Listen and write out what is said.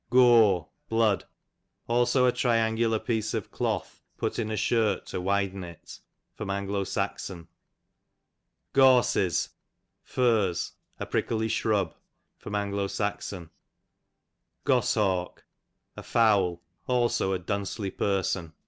Gore, blood; cdso a triangular piece of cloth put in a shirt to widen it. A. S. Gorses, furze, a prickly shrub. A.S. Goshawk, a fowl ; also a duncely person.